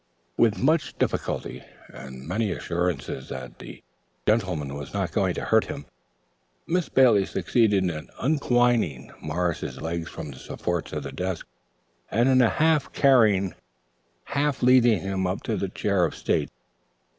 With much difficulty and many assurances that the gentleman was not going to hurt him, Miss Bailey succeeded in untwining Morris's legs from the supports of the desk and in half carrying, half leading him up to the chair of state.